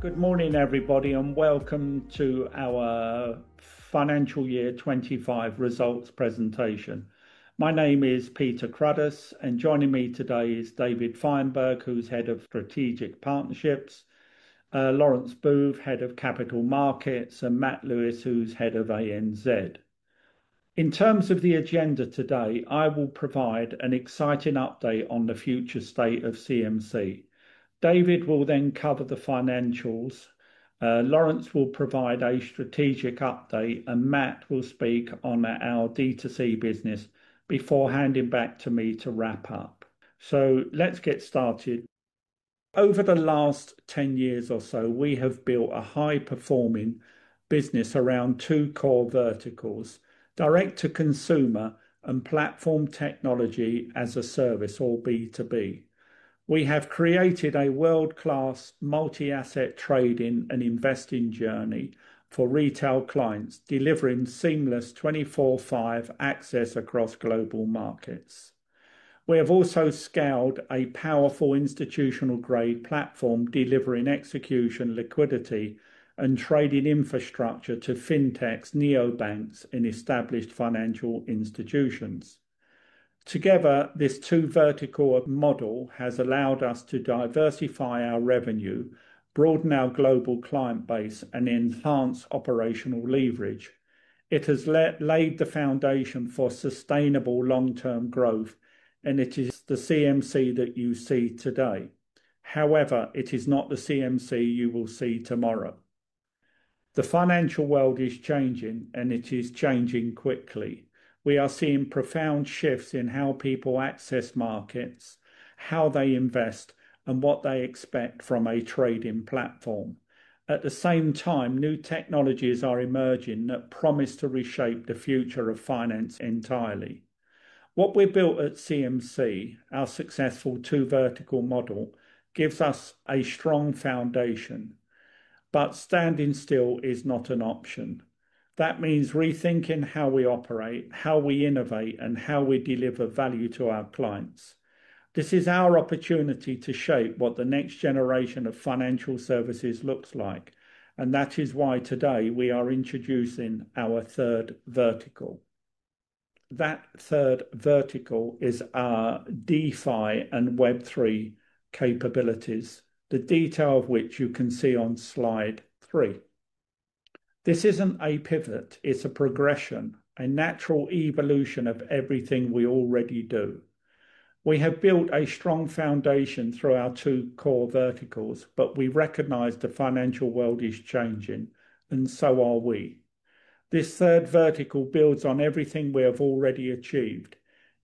Good morning, everybody, and welcome to our Financial Year 2025 results presentation. My name is Peter Cruddas, and joining me today is David Fineberg, who's Head of Strategic Partnerships; Laurence Booth, Head of Capital Markets; and Matt Lewis, who's Head of ANZ. In terms of the agenda today, I will provide an exciting update on the future state of CMC. David will then cover the financials, Laurence will provide a strategic update, and Matt will speak on our D2C business before handing back to me to wrap up. Let's get started. Over the last 10 years or so, we have built a high-performing business around two core verticals: direct-to-consumer and platform technology as a service, or B2B. We have created a world-class multi-asset trading and investing journey for retail clients, delivering seamless 24/5 access across global markets. We have also scaled a powerful institutional-grade platform, delivering execution, liquidity, and trading infrastructure to fintechs, neobanks, and established financial institutions. Together, this two-vertical model has allowed us to diversify our revenue, broaden our global client base, and enhance operational leverage. It has laid the foundation for sustainable long-term growth, and it is the CMC that you see today. However, it is not the CMC you will see tomorrow. The financial world is changing, and it is changing quickly. We are seeing profound shifts in how people access markets, how they invest, and what they expect from a trading platform. At the same time, new technologies are emerging that promise to reshape the future of finance entirely. What we built at CMC, our successful two-vertical model, gives us a strong foundation, but standing still is not an option. That means rethinking how we operate, how we innovate, and how we deliver value to our clients. This is our opportunity to shape what the next generation of financial services looks like, and that is why today we are introducing our third vertical. That third vertical is our DeFi and Web 3.0 capabilities, the detail of which you can see on slide three. This is not a pivot; it is a progression, a natural evolution of everything we already do. We have built a strong foundation through our two core verticals, but we recognize the financial world is changing, and so are we. This third vertical builds on everything we have already achieved.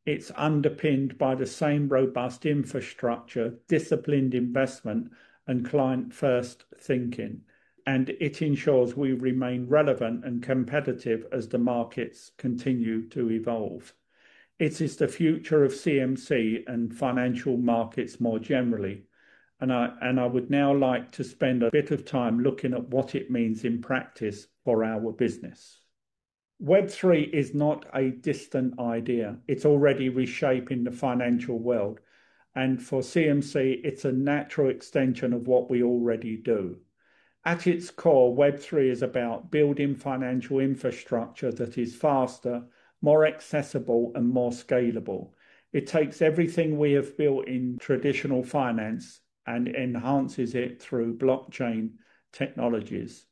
It is underpinned by the same robust infrastructure, disciplined investment, and client-first thinking, and it ensures we remain relevant and competitive as the markets continue to evolve. It is the future of CMC and financial markets more generally, and I would now like to spend a bit of time looking at what it means in practice for our business. Web 3 is not a distant idea, it is already reshaping the financial world, and for CMC, it is a natural extension of what we already do. At its core, Web 3 is about building financial infrastructure that is faster, more accessible, and more scalable. It takes everything we have built in traditional finance and enhances it through blockchain technologies.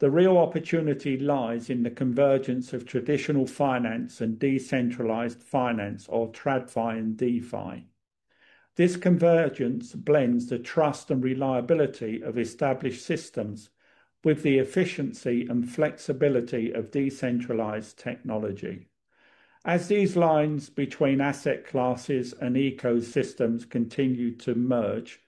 The real opportunity lies in the convergence of traditional finance and decentralized finance, or TradFi and DeFi. This convergence blends the trust and reliability of established systems with the efficiency and flexibility of decentralized technology. As these lines between asset classes and ecosystems continue to merge,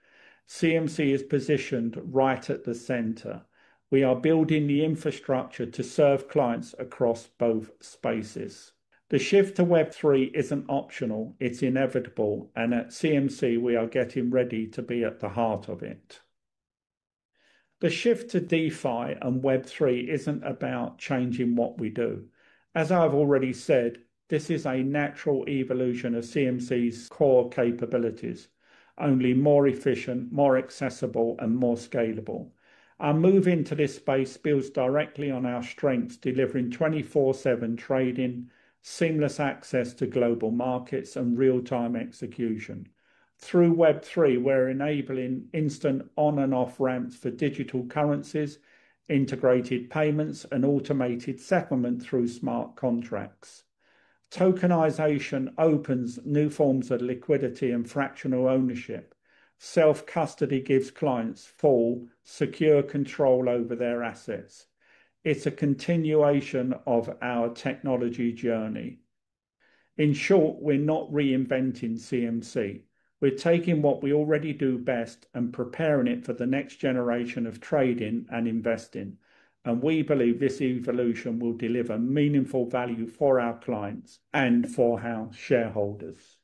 CMC is positioned right at the center. We are building the infrastructure to serve clients across both spaces. The shift to Web 3 is not optional; it is inevitable, and at CMC, we are getting ready to be at the heart of it. The shift to DeFi and Web 3 is not about changing what we do. As I have already said, this is a natural evolution of CMC's core capabilities, only more efficient, more accessible, and more scalable. Our move into this space builds directly on our strengths, delivering 24/7 trading, seamless access to global markets, and real-time execution. Through Web 3, we are enabling instant on- and off-ramps for digital currencies, integrated payments, and automated settlement through smart contracts. Tokenization opens new forms of liquidity and fractional ownership. Self-custody gives clients full, secure control over their assets. It is a continuation of our technology journey. In short, we're not reinventing CMC; we're taking what we already do best and preparing it for the next generation of trading and investing, and we believe this evolution will deliver meaningful value for our clients and for our shareholders.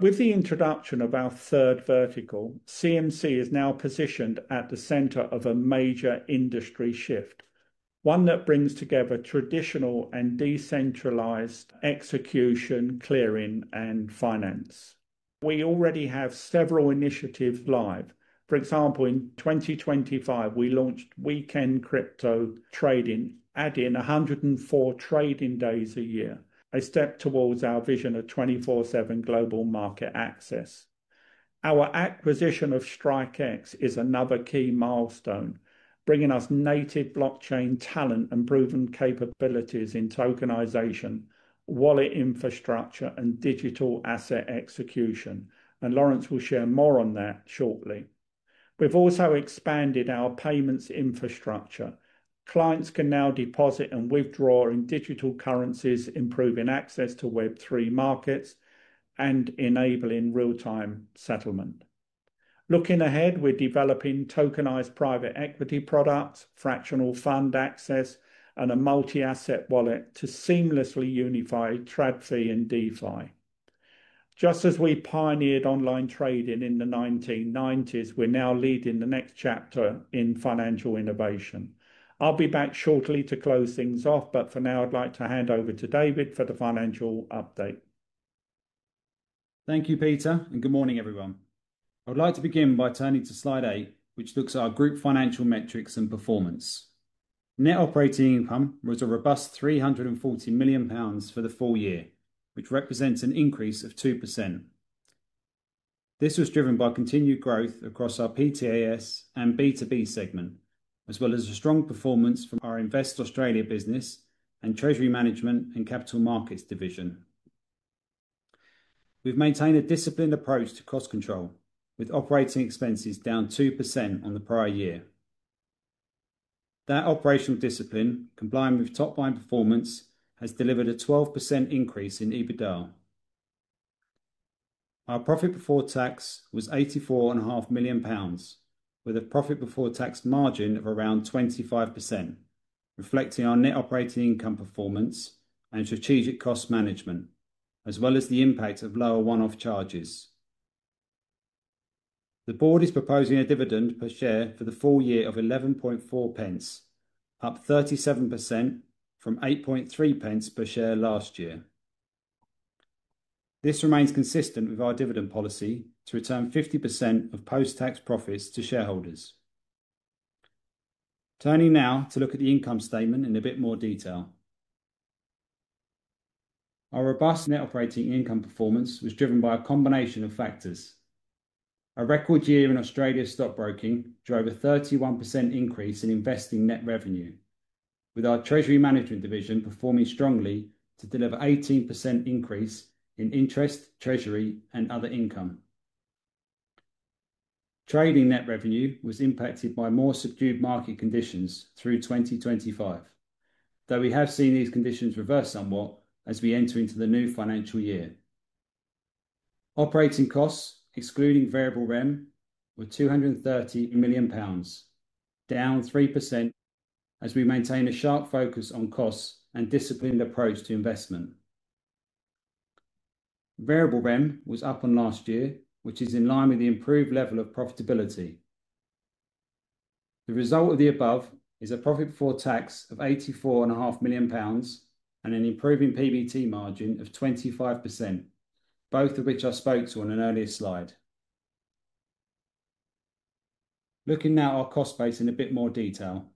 With the introduction of our third vertical, CMC is now positioned at the center of a major industry shift, one that brings together traditional and decentralized execution, clearing, and finance. We already have several initiatives live. For example, in 2025, we launched Weekend Crypto Trading, adding 104 trading days a year, a step towards our vision of 24/7 global market access. Our acquisition of StrikeX is another key milestone, bringing us native blockchain talent and proven capabilities in tokenization, wallet infrastructure, and digital asset execution, and Laurence will share more on that shortly. We've also expanded our payments infrastructure. Clients can now deposit and withdraw in digital currencies, improving access to Web 3 markets and enabling real-time settlement. Looking ahead, we're developing tokenized private equity products, fractional fund access, and a multi-asset wallet to seamlessly unify TradFi and DeFi. Just as we pioneered online trading in the 1990s, we're now leading the next chapter in financial innovation. I'll be back shortly to close things off, but for now, I'd like to hand over to David for the financial update. Thank you, Peter, and good morning, everyone. I would like to begin by turning to slide eight, which looks at our group financial metrics and performance. Net operating income was a robust 340 million pounds for the full year, which represents an increase of 2%. This was driven by continued growth across our PTAS and B2B segment, as well as a strong performance from our Invest Australia business and Treasury Management and Capital Markets division. We've maintained a disciplined approach to cost control, with operating expenses down 2% on the prior year. That operational discipline, combined with top-line performance, has delivered a 12% increase in EBITDA. Our profit before tax was 84.5 million pounds, with a profit before tax margin of around 25%, reflecting our net operating income performance and strategic cost management, as well as the impact of lower one-off charges. The board is proposing a dividend per share for the full year of 0.114, up 37% from 0.083 per share last year. This remains consistent with our dividend policy to return 50% of post-tax profits to shareholders. Turning now to look at the income statement in a bit more detail. Our robust net operating income performance was driven by a combination of factors. A record year in Australia's stock broking drove a 31% increase in investing net revenue, with our Treasury Management division performing strongly to deliver an 18% increase in interest, treasury, and other income. Trading net revenue was impacted by more subdued market conditions through 2025, though we have seen these conditions reverse somewhat as we enter into the new financial year. Operating costs, excluding variable rem, were 230 million pounds, down 3%, as we maintain a sharp focus on costs and a disciplined approach to investment. Variable rem was up on last year, which is in line with the improved level of profitability. The result of the above is a profit before tax of 84.5 million pounds and an improving PBT margin of 25%, both of which I spoke to on an earlier slide. Looking now at our cost base in a bit more detail,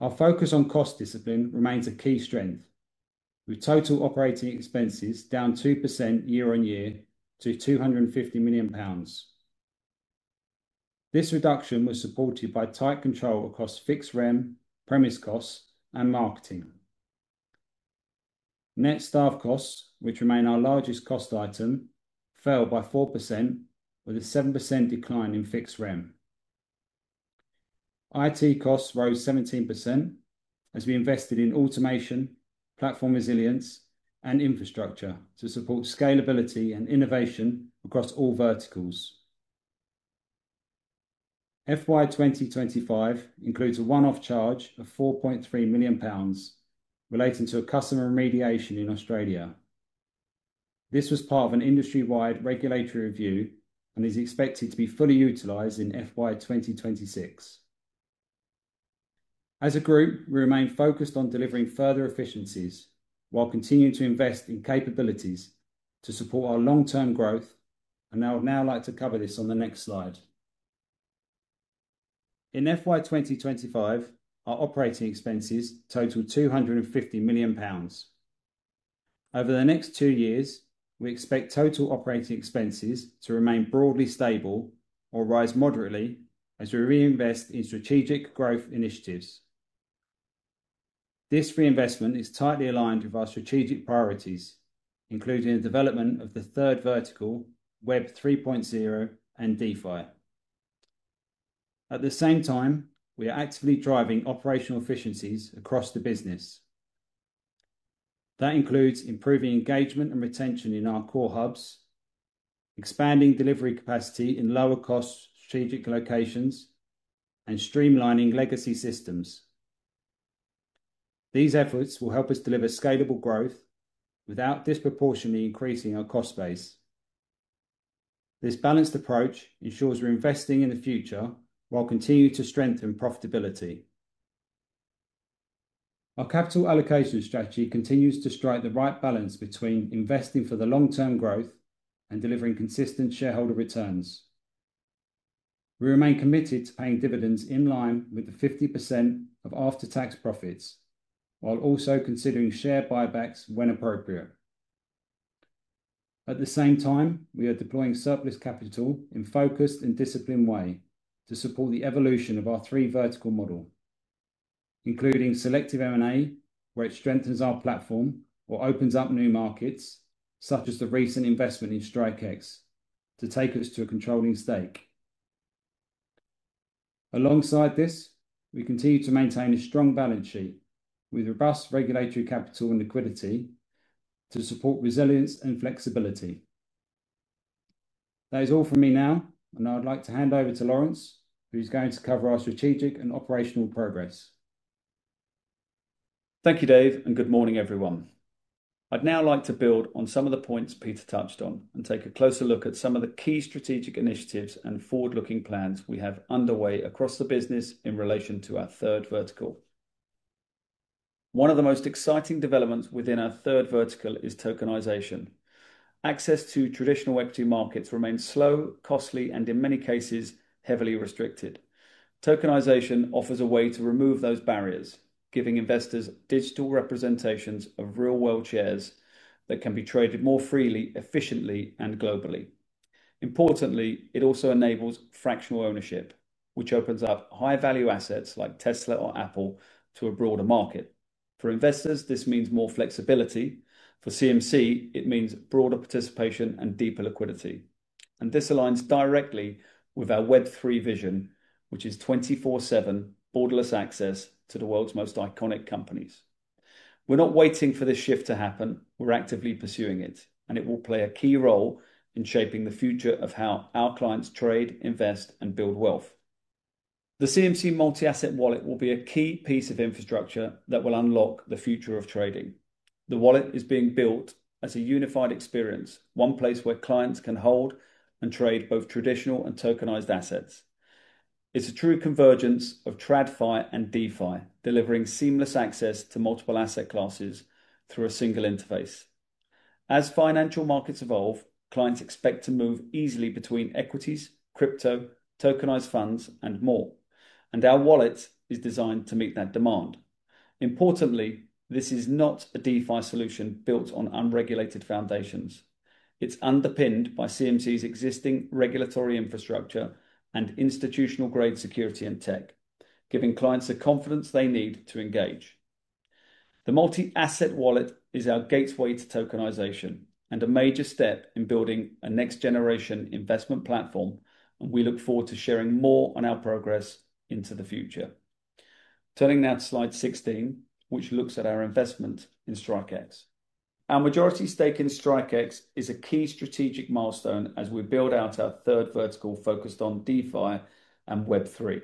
our focus on cost discipline remains a key strength, with total operating expenses down 2% year-on-year to 250 million pounds. This reduction was supported by tight control across fixed rem, premise costs, and marketing. Net staff costs, which remain our largest cost item, fell by 4%, with a 7% decline in fixed rem. IT costs rose 17%, as we invested in automation, platform resilience, and infrastructure to support scalability and innovation across all verticals. FY 2025 includes a one-off charge of 4.3 million pounds relating to a customer remediation in Australia. This was part of an industry-wide regulatory review and is expected to be fully utilized in FY 2026. As a group, we remain focused on delivering further efficiencies while continuing to invest in capabilities to support our long-term growth. I would now like to cover this on the next slide. In FY 2025, our operating expenses totaled 250 million pounds. Over the next two years, we expect total operating expenses to remain broadly stable or rise moderately as we reinvest in strategic growth initiatives. This reinvestment is tightly aligned with our strategic priorities, including the development of the third vertical, Web 3.0 and DeFi. At the same time, we are actively driving operational efficiencies across the business. That includes improving engagement and retention in our core hubs, expanding delivery capacity in lower-cost strategic locations, and streamlining legacy systems. These efforts will help us deliver scalable growth without disproportionately increasing our cost base. This balanced approach ensures we are investing in the future while continuing to strengthen profitability. Our capital allocation strategy continues to strike the right balance between investing for long-term growth and delivering consistent shareholder returns. We remain committed to paying dividends in line with the 50% of after-tax profits, while also considering share buybacks when appropriate. At the same time, we are deploying surplus capital in a focused and disciplined way to support the evolution of our three-vertical model, including selective M&A, where it strengthens our platform or opens up new markets, such as the recent investment in StrikeX, to take us to a controlling stake. Alongside this, we continue to maintain a strong balance sheet with robust regulatory capital and liquidity to support resilience and flexibility. That is all from me now, and I would like to hand over to Laurence, who is going to cover our strategic and operational progress. Thank you, Dave, and good morning, everyone. I'd now like to build on some of the points Peter touched on and take a closer look at some of the key strategic initiatives and forward-looking plans we have underway across the business in relation to our third vertical. One of the most exciting developments within our third vertical is tokenization. Access to traditional Web 2 markets remains slow, costly, and in many cases, heavily restricted. Tokenization offers a way to remove those barriers, giving investors digital representations of real-world shares that can be traded more freely, efficiently, and globally. Importantly, it also enables fractional ownership, which opens up high-value assets like Tesla or Apple to a broader market. For investors, this means more flexibility. For CMC, it means broader participation and deeper liquidity. This aligns directly with our Web 3 vision, which is 24/7 borderless access to the world's most iconic companies. We're not waiting for this shift to happen; we're actively pursuing it, and it will play a key role in shaping the future of how our clients trade, invest, and build wealth. The CMC multi-asset wallet will be a key piece of infrastructure that will unlock the future of trading. The wallet is being built as a unified experience, one place where clients can hold and trade both traditional and tokenized assets. It's a true convergence of TradFi and DeFi, delivering seamless access to multiple asset classes through a single interface. As financial markets evolve, clients expect to move easily between equities, crypto, tokenized funds, and more, and our wallet is designed to meet that demand. Importantly, this is not a DeFi solution built on unregulated foundations. It's underpinned by CMC's existing regulatory infrastructure and institutional-grade security and tech, giving clients the confidence they need to engage. The multi-asset wallet is our gateway to tokenization and a major step in building a next-generation investment platform, and we look forward to sharing more on our progress into the future. Turning now to slide 16, which looks at our investment in StrikeX. Our majority stake in StrikeX is a key strategic milestone as we build out our third vertical focused on DeFi and Web 3.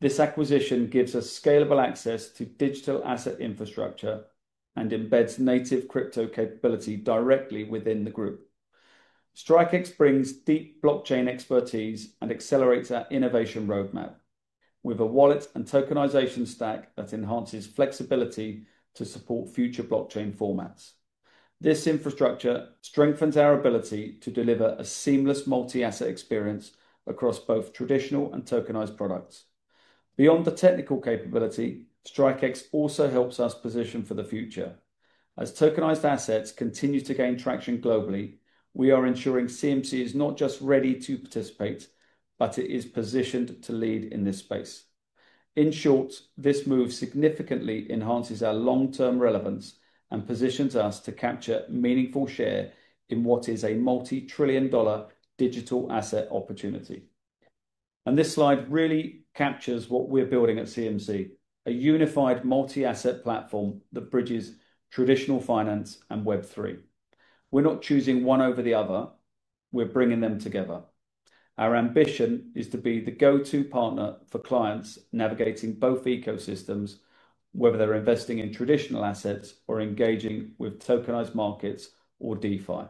This acquisition gives us scalable access to digital asset infrastructure and embeds native crypto capability directly within the group. StrikeX brings deep blockchain expertise and accelerates our innovation roadmap with a wallet and tokenization stack that enhances flexibility to support future blockchain formats. This infrastructure strengthens our ability to deliver a seamless multi-asset experience across both traditional and tokenized products. Beyond the technical capability, StrikeX also helps us position for the future. As tokenized assets continue to gain traction globally, we are ensuring CMC is not just ready to participate, but it is positioned to lead in this space. In short, this move significantly enhances our long-term relevance and positions us to capture meaningful share in what is a multi-trillion dollar digital asset opportunity. This slide really captures what we're building at CMC: a unified multi-asset platform that bridges traditional finance and Web 3. We're not choosing one over the other; we're bringing them together. Our ambition is to be the go-to partner for clients navigating both ecosystems, whether they're investing in traditional assets or engaging with tokenized markets or DeFi.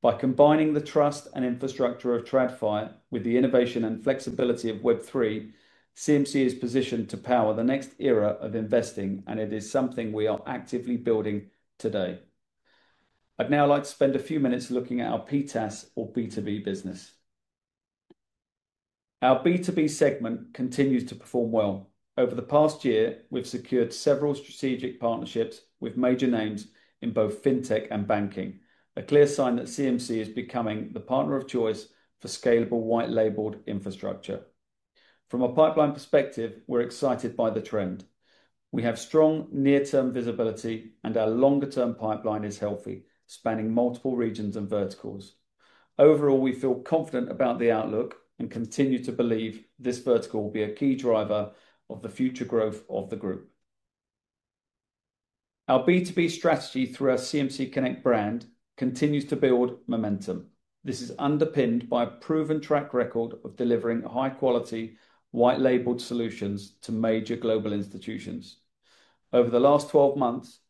By combining the trust and infrastructure of TradFi with the innovation and flexibility of Web 3, CMC is positioned to power the next era of investing, and it is something we are actively building today. I'd now like to spend a few minutes looking at our PTAS or B2B business. Our B2B segment continues to perform well. Over the past year, we've secured several strategic partnerships with major names in both fintech and banking, a clear sign that CMC is becoming the partner of choice for scalable white-labeled infrastructure. From a pipeline perspective, we're excited by the trend. We have strong near-term visibility, and our longer-term pipeline is healthy, spanning multiple regions and verticals. Overall, we feel confident about the outlook and continue to believe this vertical will be a key driver of the future growth of the group. Our B2B strategy through our CMC Connect brand continues to build momentum. This is underpinned by a proven track record of delivering high-quality white-labeled solutions to major global institutions. Over the last 12 months,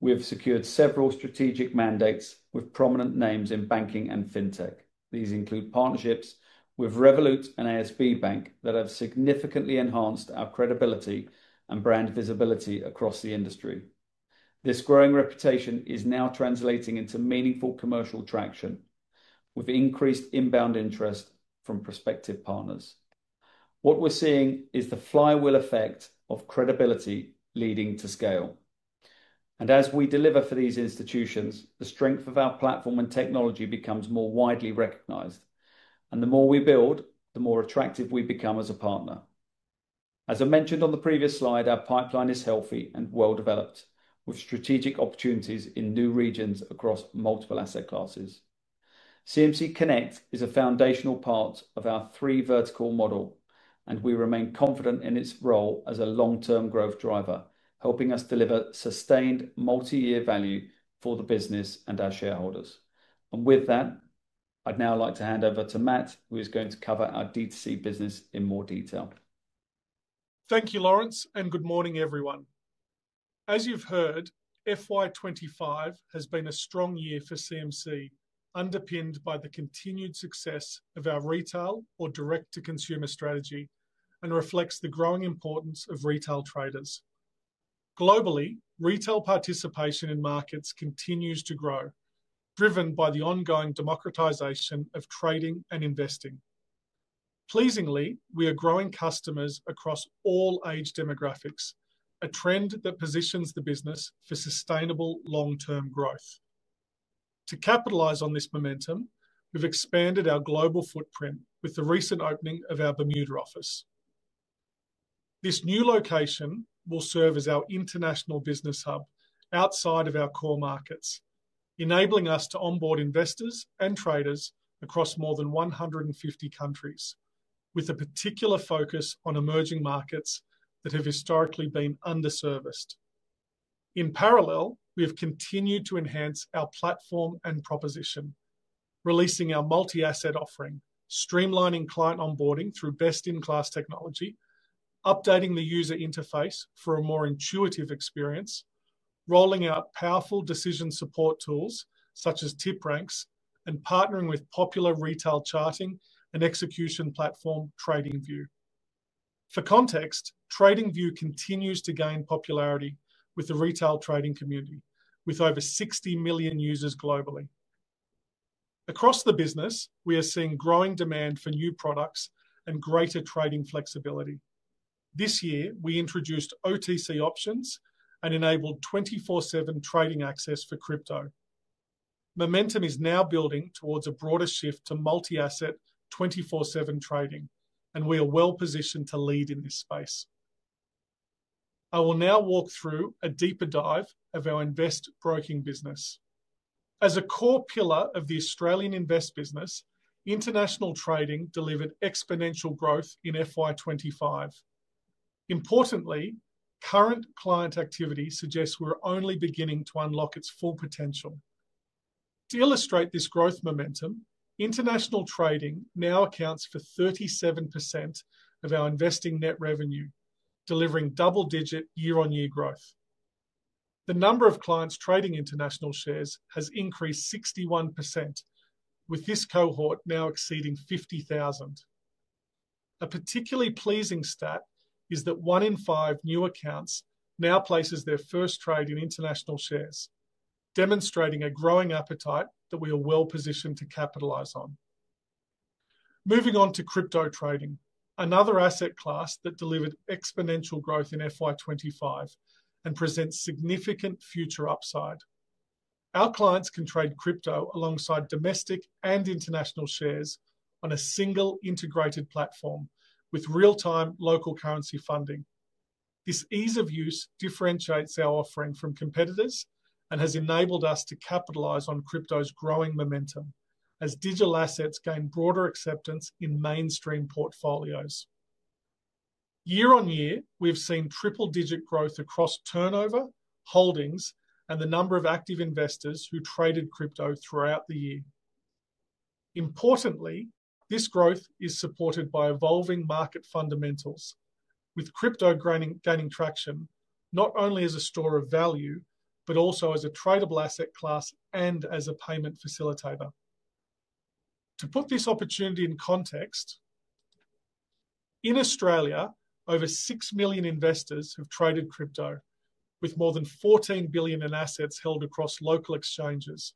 we have secured several strategic mandates with prominent names in banking and fintech. These include partnerships with Revolut and ASB Bank that have significantly enhanced our credibility and brand visibility across the industry. This growing reputation is now translating into meaningful commercial traction, with increased inbound interest from prospective partners. What we are seeing is the flywheel effect of credibility leading to scale. As we deliver for these institutions, the strength of our platform and technology becomes more widely recognized. The more we build, the more attractive we become as a partner. As I mentioned on the previous slide, our pipeline is healthy and well-developed, with strategic opportunities in new regions across multiple asset classes. CMC Connect is a foundational part of our three-vertical model, and we remain confident in its role as a long-term growth driver, helping us deliver sustained multi-year value for the business and our shareholders. I would now like to hand over to Matt, who is going to cover our D2C business in more detail. Thank you, Laurence, and good morning, everyone. As you've heard, FY 2025 has been a strong year for CMC, underpinned by the continued success of our retail or direct-to-consumer strategy and reflects the growing importance of retail traders. Globally, retail participation in markets continues to grow, driven by the ongoing democratization of trading and investing. Pleasingly, we are growing customers across all age demographics, a trend that positions the business for sustainable long-term growth. To capitalize on this momentum, we've expanded our global footprint with the recent opening of our Bermuda office. This new location will serve as our international business hub outside of our core markets, enabling us to onboard investors and traders across more than 150 countries, with a particular focus on emerging markets that have historically been underserviced. In parallel, we have continued to enhance our platform and proposition, releasing our multi-asset offering, streamlining client onboarding through best-in-class technology, updating the user interface for a more intuitive experience, rolling out powerful decision support tools such as TipRanks, and partnering with popular retail charting and execution platform TradingView. For context, TradingView continues to gain popularity with the retail trading community, with over 60 million users globally. Across the business, we are seeing growing demand for new products and greater trading flexibility. This year, we introduced OTC options and enabled 24/7 trading access for crypto. Momentum is now building towards a broader shift to multi-asset 24/7 trading, and we are well positioned to lead in this space. I will now walk through a deeper dive of our invest-broking business. As a core pillar of the Australian invest business, international trading delivered exponential growth in FY 2025. Importantly, current client activity suggests we're only beginning to unlock its full potential. To illustrate this growth momentum, international trading now accounts for 37% of our investing net revenue, delivering double-digit year-on-year growth. The number of clients trading international shares has increased 61%, with this cohort now exceeding 50,000. A particularly pleasing stat is that one in five new accounts now places their first trade in international shares, demonstrating a growing appetite that we are well positioned to capitalize on. Moving on to crypto trading, another asset class that delivered exponential growth in FY 2025 and presents significant future upside. Our clients can trade crypto alongside domestic and international shares on a single integrated platform with real-time local currency funding. This ease of use differentiates our offering from competitors and has enabled us to capitalize on crypto's growing momentum as digital assets gain broader acceptance in mainstream portfolios. Year-on-year, we've seen triple-digit growth across turnover, holdings, and the number of active investors who traded crypto throughout the year. Importantly, this growth is supported by evolving market fundamentals, with crypto gaining traction not only as a store of value, but also as a tradable asset class and as a payment facilitator. To put this opportunity in context, in Australia, over 6 million investors have traded crypto, with more than 14 billion in assets held across local exchanges.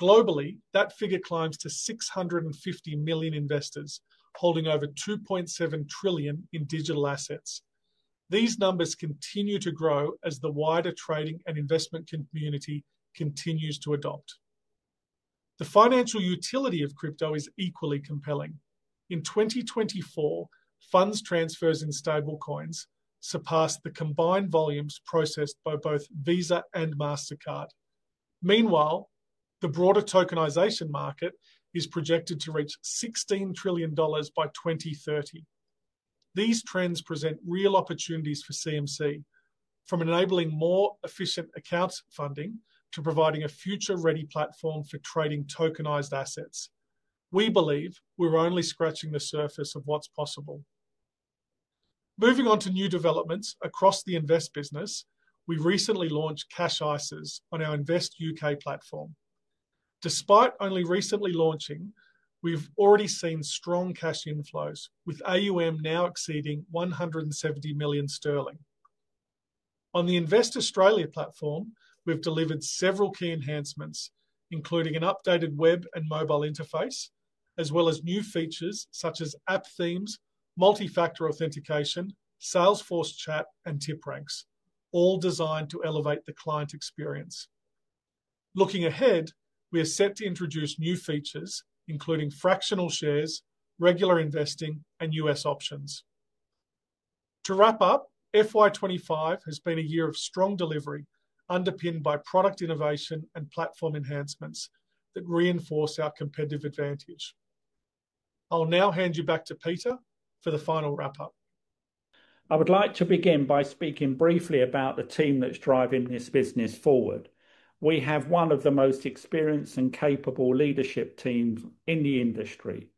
Globally, that figure climbs to 650 million investors holding over $2.7 trillion in digital assets. These numbers continue to grow as the wider trading and investment community continues to adopt. The financial utility of crypto is equally compelling. In 2024, funds transfers in stablecoins surpassed the combined volumes processed by both Visa and MasterCard. Meanwhile, the broader tokenization market is projected to reach $16 trillion by 2030. These trends present real opportunities for CMC, from enabling more efficient account funding to providing a future-ready platform for trading tokenized assets. We believe we're only scratching the surface of what's possible. Moving on to new developments across the Invest business, we recently launched Cash ISAs on our Invest U.K. platform. Despite only recently launching, we've already seen strong cash inflows, with AUM now exceeding 170 million sterling. On the Invest Australia platform, we've delivered several key enhancements, including an updated web and mobile interface, as well as new features such as app themes, multi-factor authentication, Salesforce chat, and TipRanks, all designed to elevate the client experience. Looking ahead, we are set to introduce new features, including fractional shares, regular investing, and U.S. options. To wrap up, fiscal year 2025 has been a year of strong delivery, underpinned by product innovation and platform enhancements that reinforce our competitive advantage. I'll now hand you back to Peter for the final wrap-up. I would like to begin by speaking briefly about the team that is driving this business forward. We have one of the most experienced and capable leadership teams in the industry.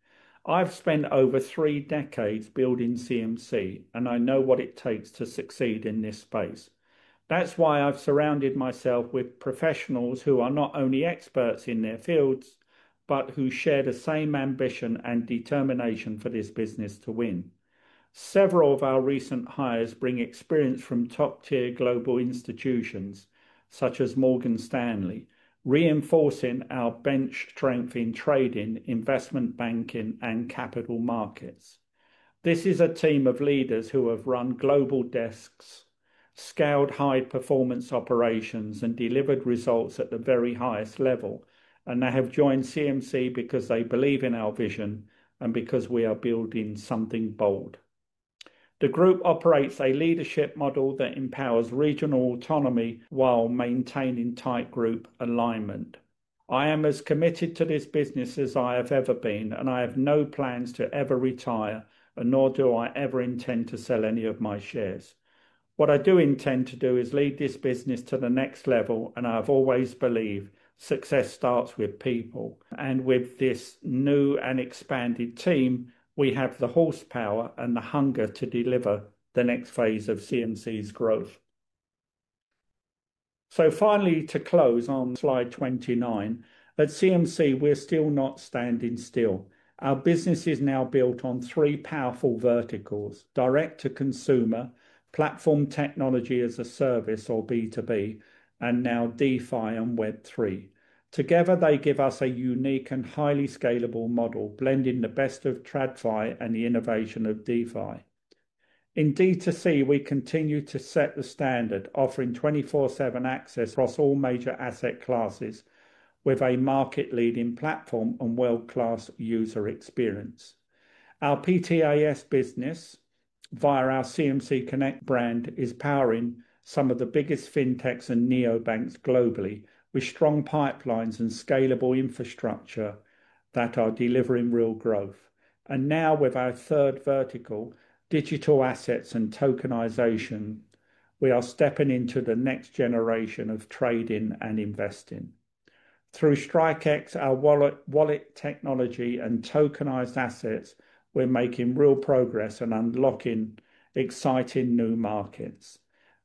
I have spent over three decades building CMC, and I know what it takes to succeed in this space. That is why I have surrounded myself with professionals who are not only experts in their fields, but who share the same ambition and determination for this business to win. Several of our recent hires bring experience from top-tier global institutions such as Morgan Stanley, reinforcing our bench strength in trading, investment banking, and capital markets. This is a team of leaders who have run global desks, scaled high-performance operations, and delivered results at the very highest level, and they have joined CMC because they believe in our vision and because we are building something bold. The group operates a leadership model that empowers regional autonomy while maintaining tight group alignment. I am as committed to this business as I have ever been, and I have no plans to ever retire, and nor do I ever intend to sell any of my shares. What I do intend to do is lead this business to the next level, and I have always believed success starts with people. With this new and expanded team, we have the horsepower and the hunger to deliver the next phase of CMC's growth. Finally, to close on slide 29, at CMC, we are still not standing still. Our business is now built on three powerful verticals: direct-to-consumer, platform technology as a service or B2B, and now DeFi and Web 3. Together, they give us a unique and highly scalable model, blending the best of TradFi and the innovation of DeFi. In D2C, we continue to set the standard, offering 24/7 access across all major asset classes, with a market-leading platform and world-class user experience. Our PTAS business, via our CMC Connect brand, is powering some of the biggest fintechs and neobanks globally, with strong pipelines and scalable infrastructure that are delivering real growth. Now, with our third vertical, digital assets and tokenization, we are stepping into the next generation of trading and investing. Through StrikeX, our wallet technology, and tokenized assets, we're making real progress and unlocking exciting new markets.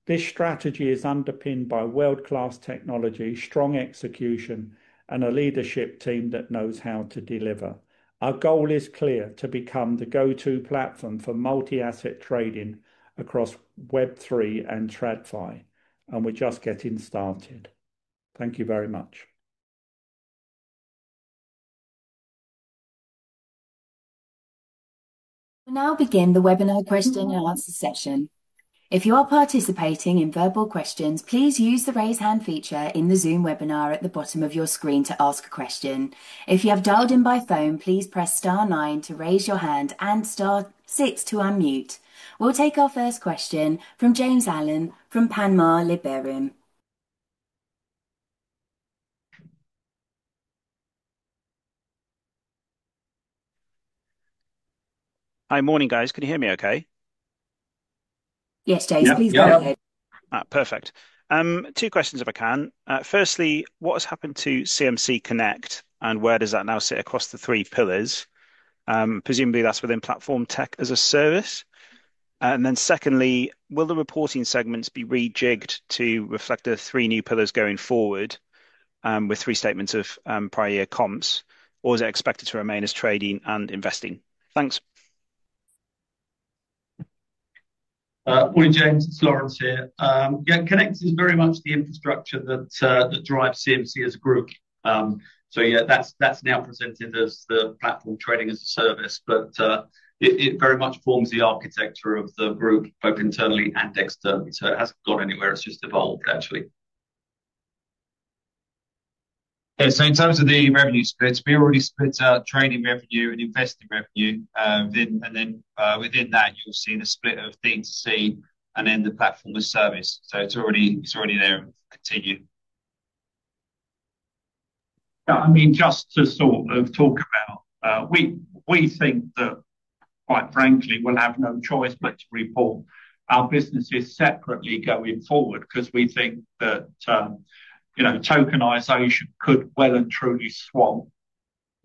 This strategy is underpinned by world-class technology, strong execution, and a leadership team that knows how to deliver. Our goal is clear: to become the go-to platform for multi-asset trading across Web 3 and TradFi, and we're just getting started. Thank you very much. We'll now begin the webinar question and answer session. If you are participating in verbal questions, please use the raise hand feature in the Zoom webinar at the bottom of your screen to ask a question. If you have dialed in by phone, please press star nine to raise your hand and star six to unmute. We'll take our first question from James Allen from Panmure Liberum. Hi, morning guys. Can you hear me okay? Yes, James, please go ahead. Perfect. Two questions, if I can. Firstly, what has happened to CMC Connect, and where does that now sit across the three pillars? Presumably, that's within platform tech as a service. Secondly, will the reporting segments be rejigged to reflect the three new pillars going forward with three statements of prior year comps, or is it expected to remain as trading and investing? Thanks. Morning, James. It's Laurence here. Connect is very much the infrastructure that drives CMC as a group. Yeah, that's now presented as the platform trading as a service, but it very much forms the architecture of the group, both internally and externally. It hasn't gone anywhere. It's just evolved, actually. Yeah, in terms of the revenue split, we already split trading revenue and investing revenue. Within that, you'll see the split of D2C and then the platform as a service. It's already there and continued. I mean, just to sort of talk about, we think that, quite frankly, we'll have no choice but to report our businesses separately going forward because we think that tokenization could well and truly swap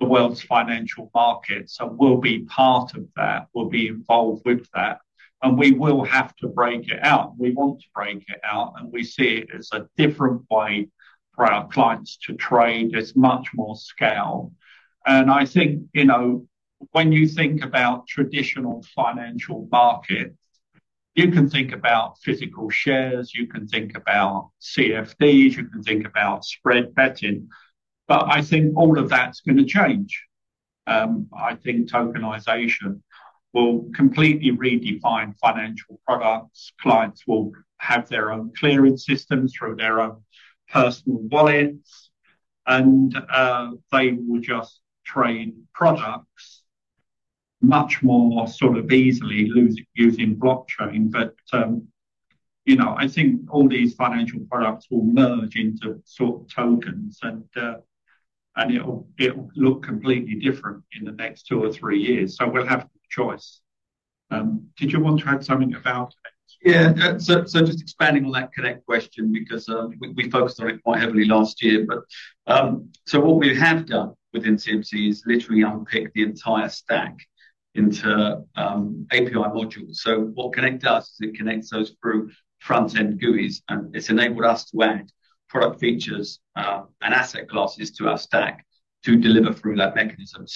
the world's financial markets. We'll be part of that. We'll be involved with that. We will have to break it out. We want to break it out, and we see it as a different way for our clients to trade at much more scale. I think when you think about traditional financial markets, you can think about physical shares. You can think about CFDs. You can think about spread betting. I think all of that's going to change. I think tokenization will completely redefine financial products. Clients will have their own clearing systems through their own personal wallets, and they will just trade products much more sort of easily using blockchain. I think all these financial products will merge into sort of tokens, and it'll look completely different in the next two or three years. We'll have no choice. Did you want to add something about it? Yeah, just expanding on that Connect question because we focused on it quite heavily last year. What we have done within CMC is literally unpick the entire stack into API modules. What Connect does is it connects those through front-end GUIs, and it's enabled us to add product features and asset classes to our stack to deliver through that mechanism.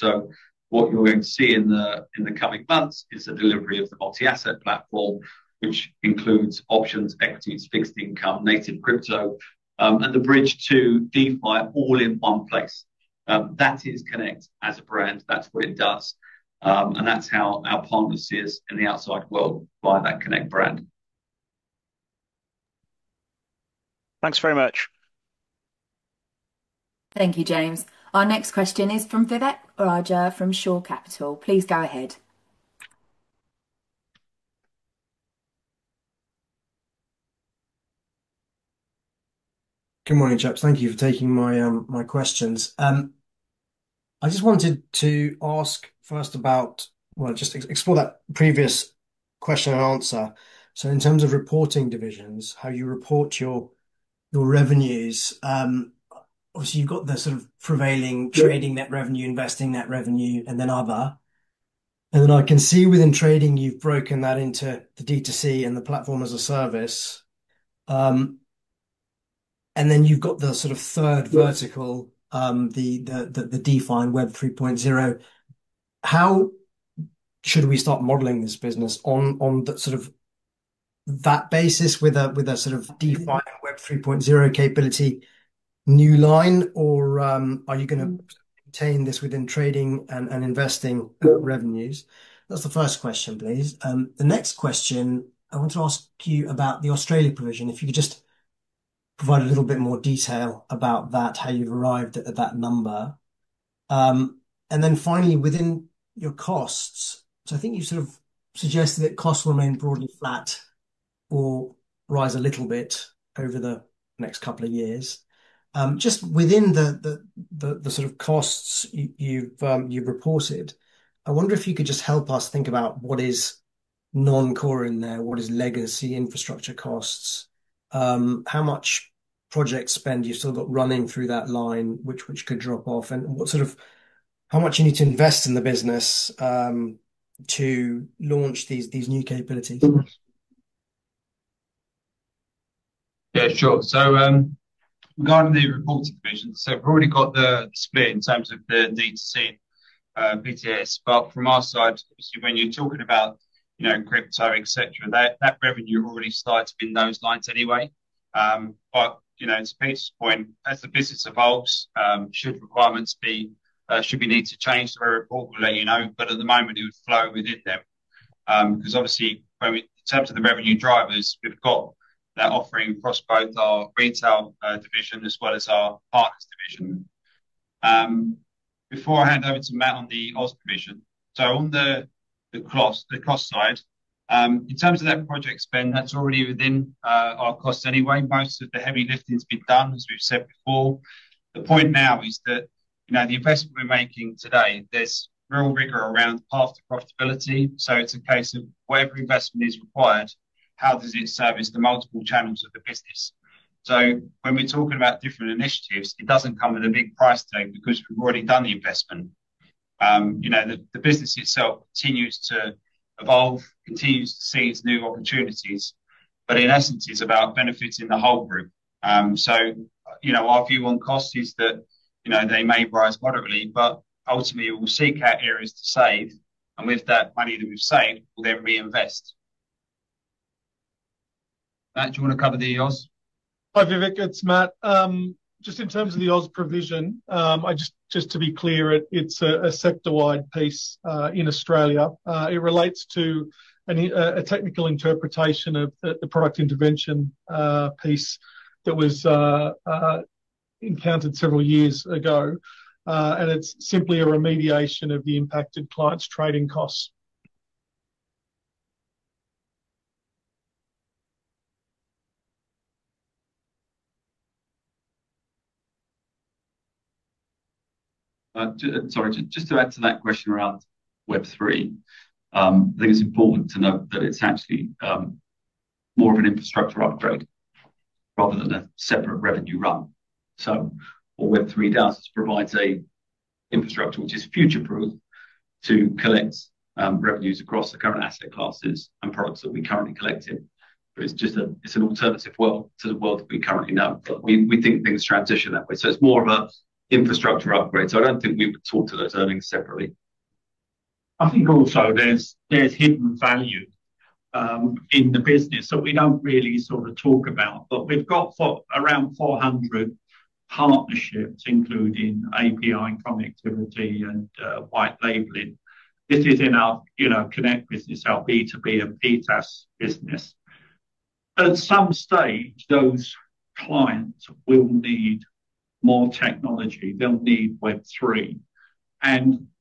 What you're going to see in the coming months is the delivery of the multi-asset platform, which includes options, equities, fixed income, native crypto, and the bridge to DeFi all in one place. That is Connect as a brand. That's what it does, and that's how our partners see us in the outside world via that Connect brand. Thanks very much. Thank you, James. Our next question is from Vivek Raja from Shore Capital. Please go ahead. Good morning, Chips. Thank you for taking my questions. I just wanted to ask first about, just explore that previous question and answer. In terms of reporting divisions, how you report your revenues, obviously you have the sort of prevailing trading net revenue, investing net revenue, and then other. I can see within trading you have broken that into the D2C and the platform as a service. You have the sort of third vertical, the DeFi and Web 3.0. How should we start modeling this business on that sort of basis with a sort of DeFi and Web 3.0 capability new line, or are you going to maintain this within trading and investing revenues? That is the first question, please. The next question, I want to ask you about the Australia provision, if you could just provide a little bit more detail about that, how you've arrived at that number. Finally, within your costs, I think you've sort of suggested that costs will remain broadly flat or rise a little bit over the next couple of years. Just within the sort of costs you've reported, I wonder if you could just help us think about what is non-core in there, what is legacy infrastructure costs, how much project spend you've still got running through that line which could drop off, and how much you need to invest in the business to launch these new capabilities. Yeah, sure. So regarding the reporting division, we've already got the split in terms of the D2C and BTS. From our side, obviously, when you're talking about crypto, etc., that revenue already starts in those lines anyway. To Peter's point, as the business evolves, should requirements be, should we need to change the report, we'll let you know. At the moment, it would flow within them. Obviously, in terms of the revenue drivers, we've got that offering across both our retail division as well as our partners' division. Before I hand over to Matt on the OSS division, on the cost side, in terms of that project spend, that's already within our costs anyway. Most of the heavy lifting has been done, as we've said before. The point now is that the investment we're making today, there's real rigor around path to profitability. It's a case of whatever investment is required, how does it service the multiple channels of the business? When we're talking about different initiatives, it doesn't come with a big price tag because we've already done the investment. The business itself continues to evolve, continues to see its new opportunities, but in essence, it's about benefiting the whole group. Our view on cost is that they may rise moderately, but ultimately, we'll seek out areas to save, and with that money that we've saved, we'll then reinvest. Matt, do you want to cover the OSS? Hi, Vivek. It's Matt. Just in terms of the OSS provision, just to be clear, it's a sector-wide piece in Australia. It relates to a technical interpretation of the product intervention piece that was encountered several years ago, and it's simply a remediation of the impacted clients' trading costs. Sorry, just to add to that question around Web 3, I think it's important to note that it's actually more of an infrastructure upgrade rather than a separate revenue run. What Web 3 does is provides an infrastructure which is future-proof to collect revenues across the current asset classes and products that we currently collect in. It's just an alternative world to the world that we currently know. We think things transition that way. It's more of an infrastructure upgrade. I don't think we would talk to those earnings separately. I think also there's hidden value in the business. We do not really sort of talk about it, but we've got around 400 partnerships, including API and connectivity and white labeling. This is in our Connect business, our B2B and PTAS business. At some stage, those clients will need more technology. They'll need Web 3.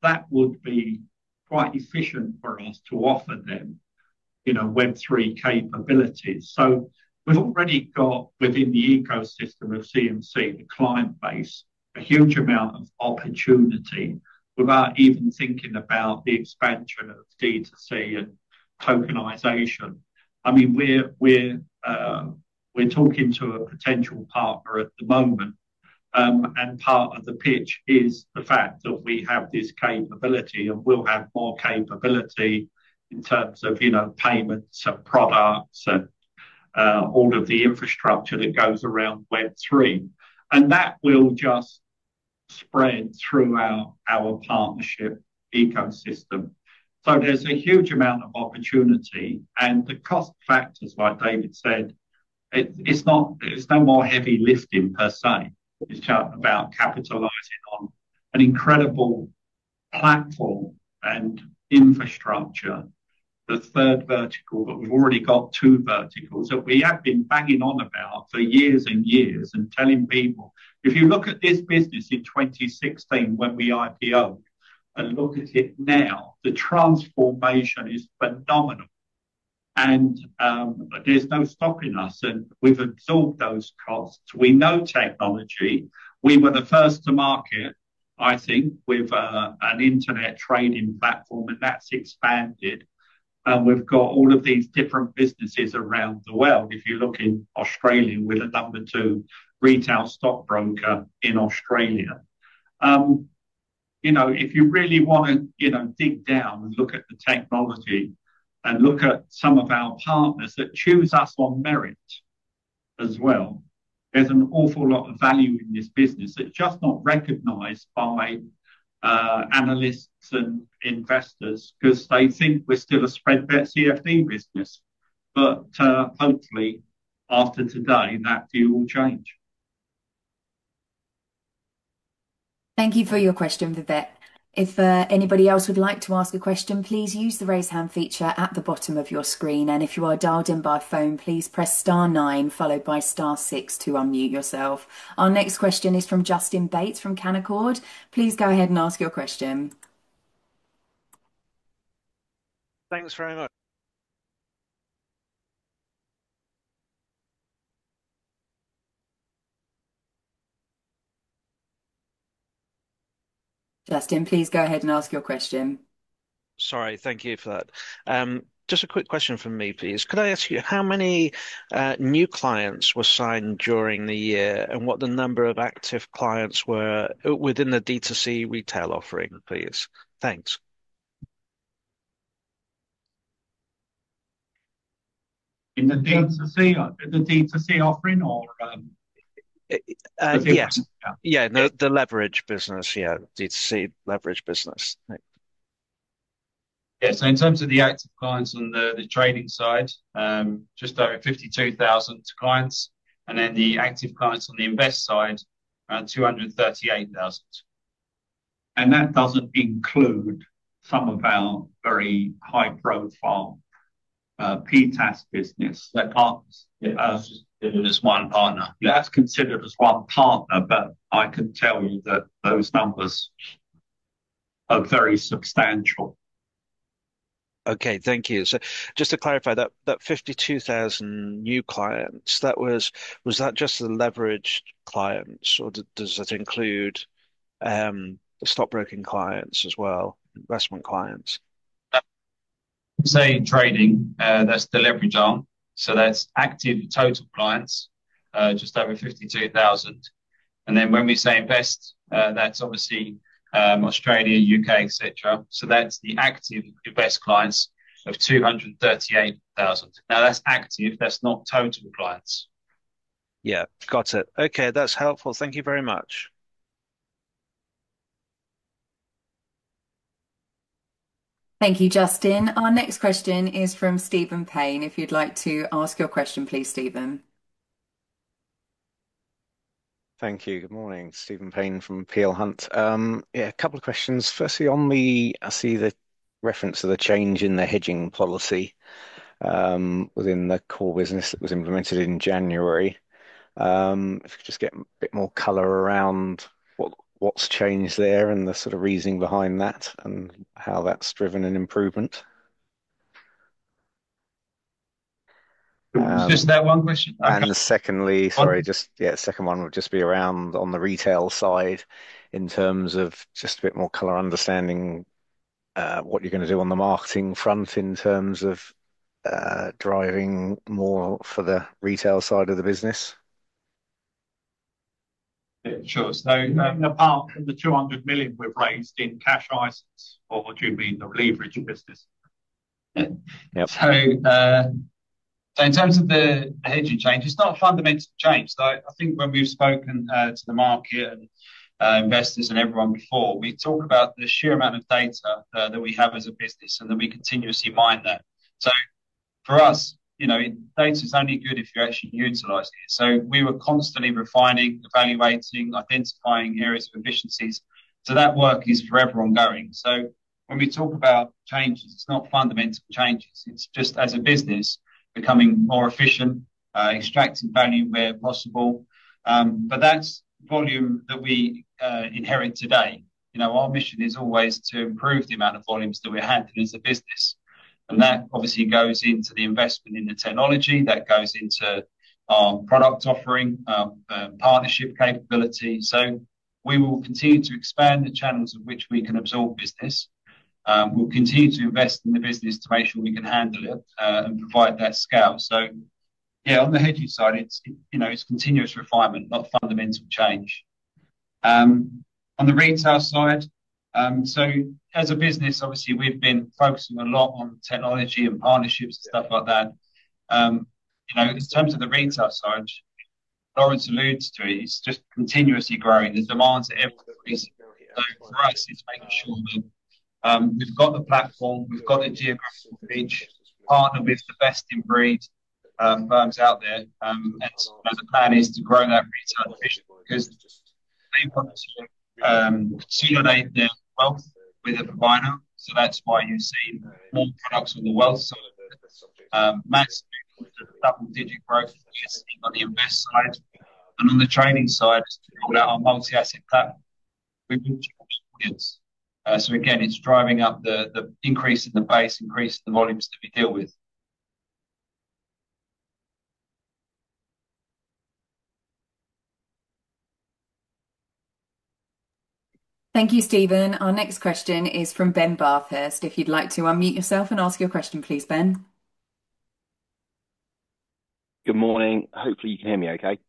That would be quite efficient for us to offer them Web 3 capabilities. We've already got within the ecosystem of CMC, the client base, a huge amount of opportunity without even thinking about the expansion of D2C and tokenization. I mean, we're talking to a potential partner at the moment. Part of the pitch is the fact that we have this capability and we'll have more capability in terms of payments and products and all of the infrastructure that goes around Web 3. That will just spread throughout our partnership ecosystem. There is a huge amount of opportunity. The cost factors, like David said, it is no more heavy lifting per se. It is about capitalizing on an incredible platform and infrastructure, the third vertical, but we have already got two verticals that we have been banging on about for years and years and telling people, "If you look at this business in 2016 when we IPO and look at it now, the transformation is phenomenal. There is no stopping us. We have absorbed those costs. We know technology. We were the first to market, I think, with an internet trading platform, and that has expanded. We have got all of these different businesses around the world. If you look in Australia, we are the number two retail stock broker in Australia. If you really want to dig down and look at the technology and look at some of our partners that choose us on merit as well, there is an awful lot of value in this business that is just not recognized by analysts and investors because they think we are still a spread bet CFD business. Hopefully, after today, that view will change. Thank you for your question, Vivek. If anybody else would like to ask a question, please use the raise hand feature at the bottom of your screen. If you are dialed in by phone, please press star nine followed by star six to unmute yourself. Our next question is from Justin Bates from Canaccord. Please go ahead and ask your question. Thanks very much. Justin, please go ahead and ask your question. Sorry, thank you for that. Just a quick question from me, please. Could I ask you how many new clients were signed during the year and what the number of active clients were within the D2C retail offering, please? Thanks. In the D2C offering or? Yeah, the leverage business, yeah. D2C leverage business. Yeah, so in terms of the active clients on the trading side, just over 52,000 clients. In terms of the active clients on the invest side, around 238,000. That does not include some of our very high-profile PTAS business. That's just considered as one partner. That's considered as one partner, but I can tell you that those numbers are very substantial. Okay, thank you. Just to clarify, that 52,000 new clients, was that just the leveraged clients, or does that include the stock-broking clients as well, investment clients? Say trading, that's the leverage arm. So that's active total clients, just over 52,000. And then when we say invest, that's obviously Australia, U.K., etc. So that's the active invest clients of 238,000. Now, that's active. That's not total clients. Yeah, got it. Okay, that's helpful. Thank you very much. Thank you, Justin. Our next question is from Stephen Payne. If you'd like to ask your question, please, Stephen. Thank you. Good morning. Stephen Payne from Peel Hunt. Yeah, a couple of questions. Firstly, I see the reference to the change in the hedging policy within the core business that was implemented in January. If you could just get a bit more color around what's changed there and the sort of reasoning behind that and how that's driven an improvement. Was just that one question? Sorry, just yeah, the second one would just be around on the retail side in terms of just a bit more color understanding what you're going to do on the marketing front in terms of driving more for the retail side of the business. Sure. Apart from the 200 million we've raised in cash items, or do you mean the leverage business? Yep. In terms of the hedging change, it's not a fundamental change. I think when we've spoken to the market and investors and everyone before, we talk about the sheer amount of data that we have as a business and that we continuously mine that. For us, data is only good if you're actually utilizing it. We are constantly refining, evaluating, identifying areas of efficiencies. That work is forever ongoing. When we talk about changes, it's not fundamental changes. It's just as a business becoming more efficient, extracting value where possible. That's volume that we inherit today. Our mission is always to improve the amount of volumes that we're handling as a business. That obviously goes into the investment in the technology. That goes into our product offering, our partnership capability. We will continue to expand the channels of which we can absorb business. We'll continue to invest in the business to make sure we can handle it and provide that scale. Yeah, on the hedging side, it's continuous refinement, not fundamental change. On the retail side, as a business, obviously, we've been focusing a lot on technology and partnerships and stuff like that. In terms of the retail side, Laurence alludes to it. It's just continuously growing. The demand's at every level. For us, it's making sure that we've got the platform, we've got the geographical reach, partner with the best-in-breed firms out there. The plan is to grow that retail division because they want to accumulate their wealth with a provider. That's why you've seen more products on the wealth side of it. Maximum double-digit growth that we're seeing on the invest side. On the trading side, it's to build out our multi-asset platform. We've been challenging audience. Again, it's driving up the increase in the base, increase in the volumes that we deal with. Thank you, Stephen. Our next question is from Ben Bathurst. If you'd like to unmute yourself and ask your question, please, Ben. Good morning. Hopefully, you can hear me okay.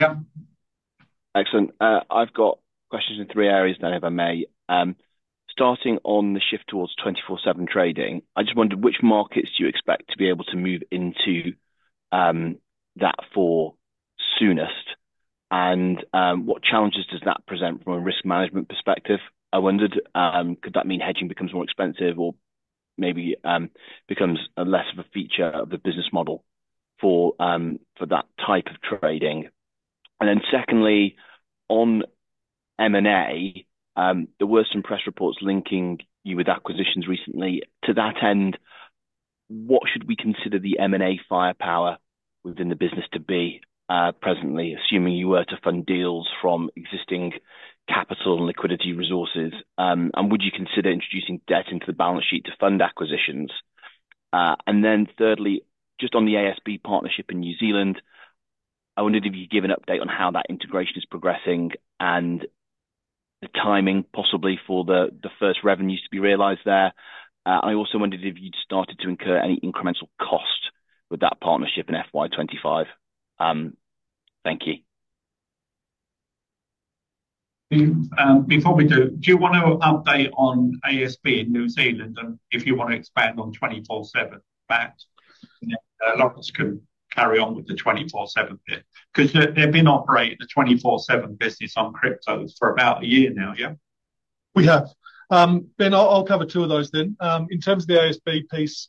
Yep. Excellent. I've got questions in three areas, if I may. Starting on the shift towards 24/7 trading, I just wondered which markets do you expect to be able to move into that for soonest? What challenges does that present from a risk management perspective? I wondered, could that mean hedging becomes more expensive or maybe becomes less of a feature of the business model for that type of trading? Secondly, on M&A, there were some press reports linking you with acquisitions recently. To that end, what should we consider the M&A firepower within the business to be presently, assuming you were to fund deals from existing capital and liquidity resources? Would you consider introducing debt into the balance sheet to fund acquisitions? Thirdly, just on the ASB partnership in New Zealand, I wondered if you could give an update on how that integration is progressing and the timing possibly for the first revenues to be realized there. I also wondered if you'd started to incur any incremental cost with that partnership in FY2025. Thank you. Before we do, do you want to update on ASB in New Zealand and if you want to expand on 24/7? Back, Laurence could carry on with the 24/7 bit because they've been operating the 24/7 business on cryptos for about a year now, yeah? We have. Ben, I'll cover two of those then. In terms of the ASB piece,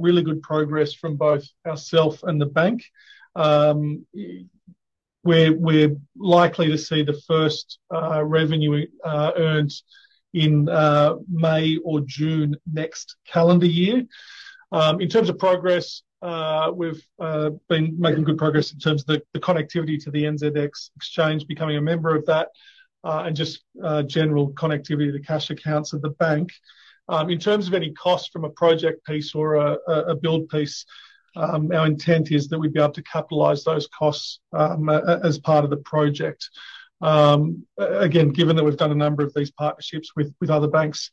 really good progress from both ourself and the bank. We're likely to see the first revenue earned in May or June next calendar year. In terms of progress, we've been making good progress in terms of the connectivity to the NZX exchange, becoming a member of that, and just general connectivity to cash accounts of the bank. In terms of any cost from a project piece or a build piece, our intent is that we'd be able to capitalize those costs as part of the project. Again, given that we've done a number of these partnerships with other banks,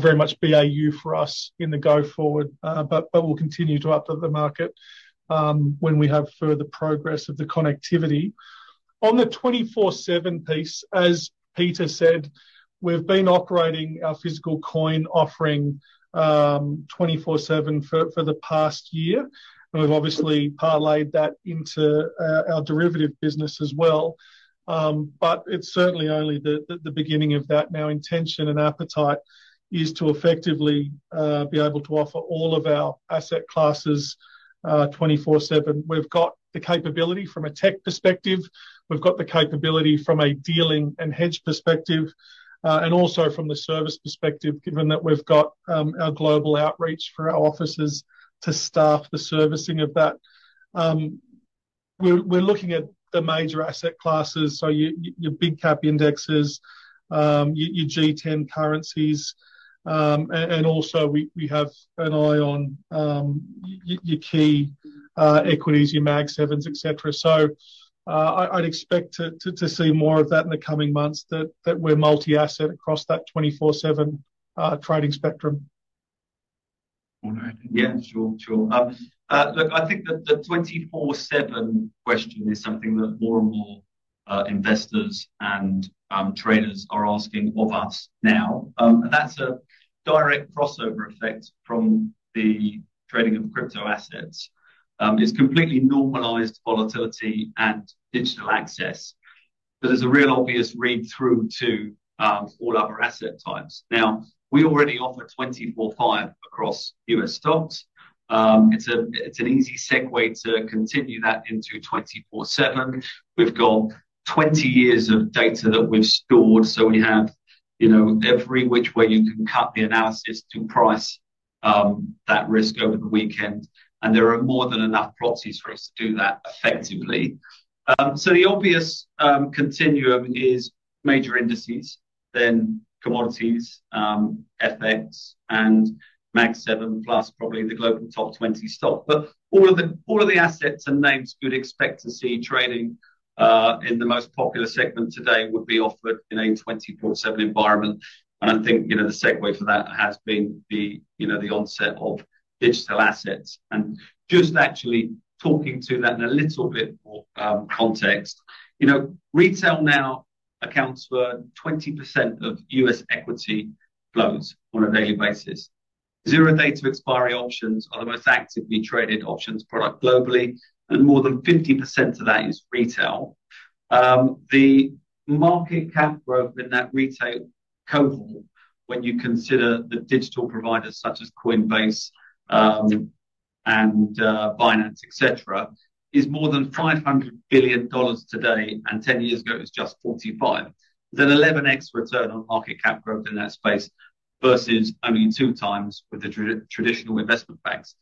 very much BAU for us in the go forward, but we'll continue to update the market when we have further progress of the connectivity. On the 24/7 piece, as Peter said, we've been operating our physical coin offering 24/7 for the past year. We've obviously parlayed that into our derivative business as well. It's certainly only the beginning of that. Now, intention and appetite is to effectively be able to offer all of our asset classes 24/7. We've got the capability from a tech perspective. We've got the capability from a dealing and hedge perspective, and also from the service perspective, given that we've got our global outreach for our offices to staff the servicing of that. We're looking at the major asset classes, so your big cap indexes, your G10 currencies, and also we have an eye on your key equities, your Mag 7s, etc. I'd expect to see more of that in the coming months that we're multi-asset across that 24/7 trading spectrum. All right. Yeah, sure, sure. Look, I think that the 24/7 question is something that more and more investors and traders are asking of us now. That's a direct crossover effect from the trading of crypto assets. It's completely normalized volatility and digital access, but there's a real obvious read-through to all other asset types. Now, we already offer 24/5 across U.S. stocks. It's an easy segue to continue that into 24/7. We've got 20 years of data that we've stored. We have every which way you can cut the analysis to price that risk over the weekend. There are more than enough proxies for us to do that effectively. The obvious continuum is major indices, then commodities, FX, and Mag 7, plus probably the global top 20 stock. All of the assets and names you'd expect to see trading in the most popular segment today would be offered in a 24/7 environment. I think the segue for that has been the onset of digital assets. Just actually talking to that in a little bit more context, retail now accounts for 20% of U.S. equity flows on a daily basis. Zero-date of expiry options are the most actively traded options product globally, and more than 50% of that is retail. The market cap growth in that retail cohort, when you consider the digital providers such as Coinbase and Binance, etc., is more than $500 billion today, and 10 years ago, it was just $45 billion. There's an 11x return on market cap growth in that space versus only two times with the traditional investment banks.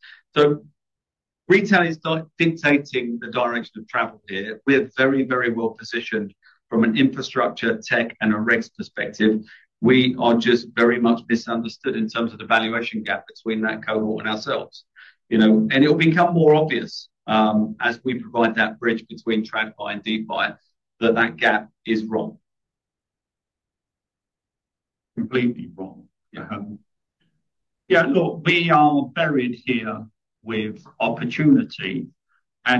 Retail is dictating the direction of travel here. We're very, very well positioned from an infrastructure, tech, and a regs perspective. We are just very much misunderstood in terms of the valuation gap between that cohort and ourselves. It will become more obvious as we provide that bridge between TradFi and DeFi that that gap is wrong. Completely wrong. Yeah. Yeah, look, we are buried here with opportunity.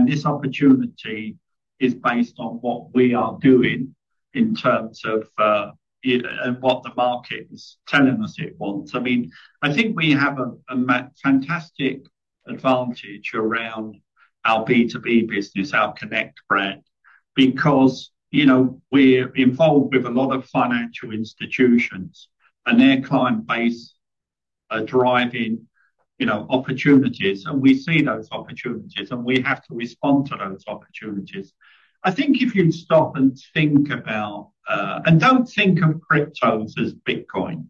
This opportunity is based on what we are doing in terms of what the market is telling us it wants. I mean, I think we have a fantastic advantage around our B2B business, our Connect brand, because we're involved with a lot of financial institutions and their client base are driving opportunities. We see those opportunities, and we have to respond to those opportunities. I think if you stop and think about, and do not think of cryptos as Bitcoin.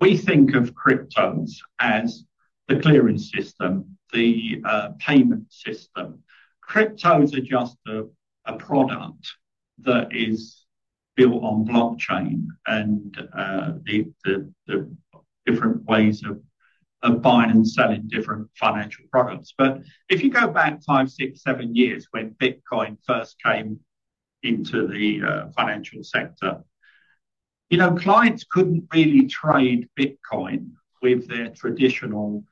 We think of cryptos as the clearing system, the payment system. Cryptos are just a product that is built on blockchain and the different ways of buying and selling different financial products. If you go back five, six, seven years when Bitcoin first came into the financial sector, clients could not really trade Bitcoin with their traditional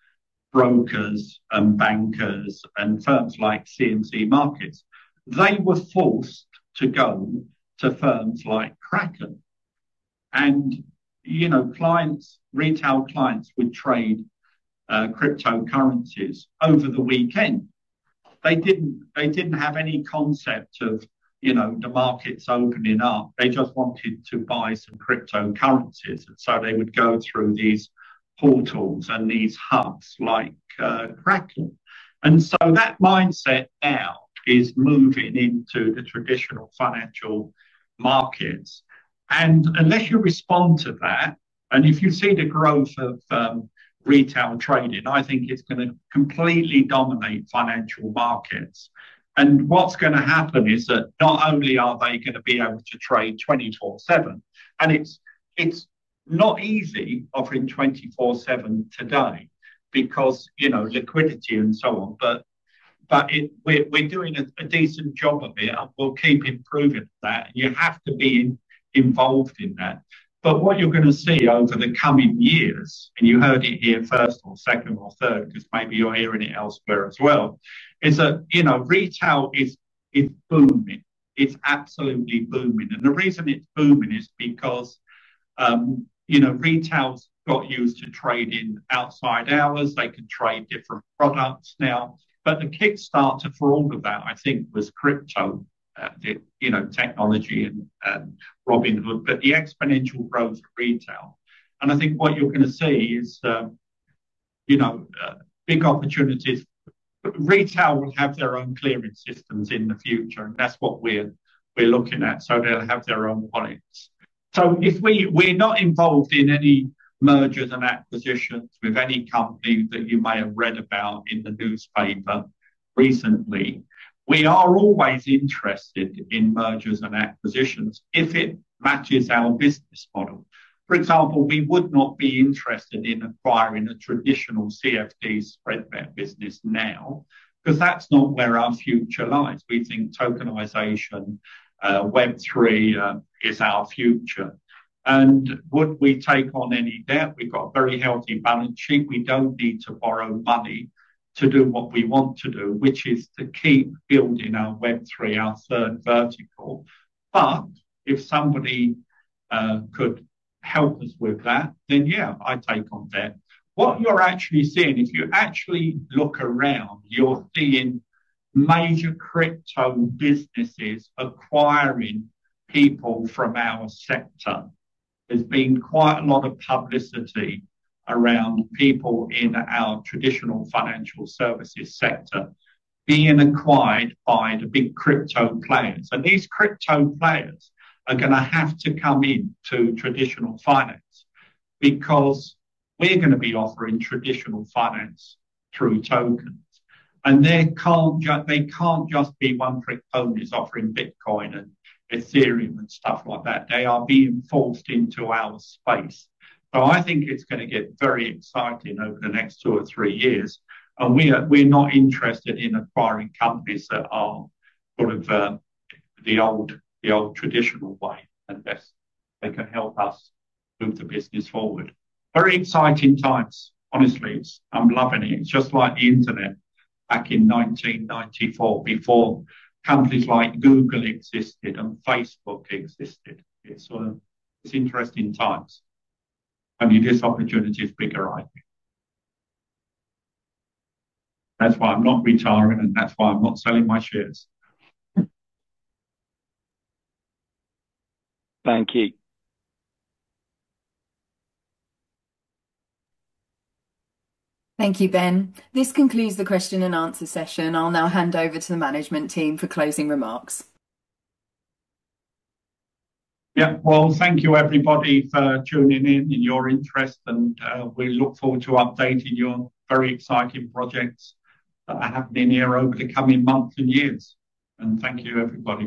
brokers and bankers and firms like CMC Markets. They were forced to go to firms like Kraken. Retail clients would trade cryptocurrencies over the weekend. They did not have any concept of the markets opening up. They just wanted to buy some cryptocurrencies. They would go through these portals and these hubs like Kraken. That mindset now is moving into the traditional financial markets. Unless you respond to that, and if you see the growth of retail trading, I think it is going to completely dominate financial markets. What's going to happen is that not only are they going to be able to trade 24/7, and it's not easy offering 24/7 today because liquidity and so on, but we're doing a decent job of it, and we'll keep improving that. You have to be involved in that. What you're going to see over the coming years, and you heard it here first or second or third because maybe you're hearing it elsewhere as well, is that retail is booming. It's absolutely booming. The reason it's booming is because retail's got used to trading outside hours. They can trade different products now. The kickstarter for all of that, I think, was crypto technology and Robinhood, but the exponential growth of retail. I think what you're going to see is big opportunities. Retail will have their own clearing systems in the future, and that is what we are looking at. They will have their own wallets. We are not involved in any mergers and acquisitions with any company that you might have read about in the newspaper recently. We are always interested in mergers and acquisitions if it matches our business model. For example, we would not be interested in acquiring a traditional CFD spread bet business now because that is not where our future lies. We think tokenization, Web 3, is our future. Would we take on any debt? We have got a very healthy balance sheet. We do not need to borrow money to do what we want to do, which is to keep building our Web 3, our third vertical. If somebody could help us with that, then yeah, I take on debt. What you're actually seeing, if you actually look around, you're seeing major crypto businesses acquiring people from our sector. There's been quite a lot of publicity around people in our traditional financial services sector being acquired by the big crypto players. These crypto players are going to have to come into traditional finance because we're going to be offering traditional finance through tokens. They can't just be one crypto that's offering Bitcoin and Ethereum and stuff like that. They are being forced into our space. I think it's going to get very exciting over the next two or three years. We're not interested in acquiring companies that are sort of the old traditional way, unless they can help us move the business forward. Very exciting times, honestly. I'm loving it. It's just like the internet back in 1994 before companies like Google existed and Facebook existed. It's interesting times. I mean, this opportunity is bigger, I think. That's why I'm not retiring, and that's why I'm not selling my shares. Thank you. Thank you, Ben. This concludes the question and answer session. I'll now hand over to the management team for closing remarks. Thank you, everybody, for tuning in and your interest. We look forward to updating your very exciting projects that are happening here over the coming months and years. Thank you, everybody.